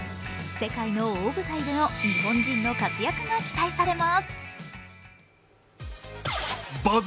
世界の大舞台での日本人の活躍が期待されます。